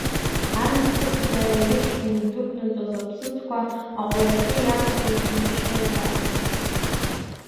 Анасыԥда, иршәны идәықәнаҵоз аԥсыӡқәа, аҟәараҿы иаанхоз џьнашьозаарын.